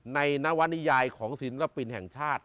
ในนวนิยายของศิลปินแห่งชาติ